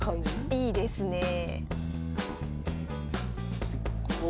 いいですねえ。